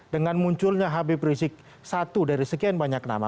dengan munculnya hp prizik satu dari sekian banyak nama